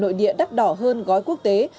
nội địa đắt đỏ hơn gói quốc tế